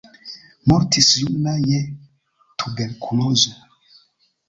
Mortis juna je tuberkulozo.